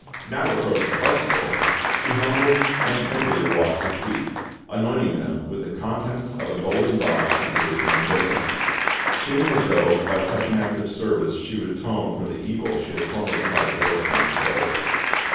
Now approaching Parsifal, she humbly and tenderly washed his feet, anointing them with the contents of a golden vial she drew from her bosom; seeming as though, by such an act of service she would atone for the evil she had formerly tried to work to his soul.